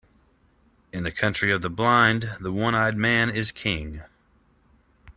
In the country of the blind, the one-eyed man is king.